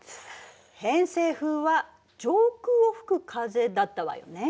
偏西風は上空を吹く風だったわよね。